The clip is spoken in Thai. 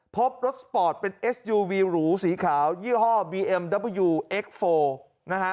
พบรถสปอร์ตเป็นเอสยูวีหรูสีขาวยี่ห้อบีเอ็มเวิวเอ็กซ์โฟร์นะฮะ